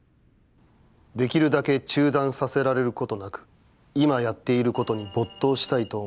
できるだけ中断させられることなく、いまやっていることに没頭したいと思っている。